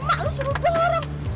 emak lo suruh dorong